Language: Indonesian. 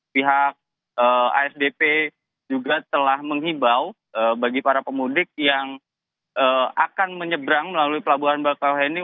pihak asdp juga telah menghibau bagi para pemudik yang akan menyeberang melalui pelabuhan bakauheni